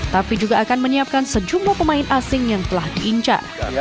tapi juga akan menyiapkan sejumlah pemain asing yang telah diinca